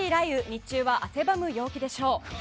日中は汗ばむ陽気でしょう。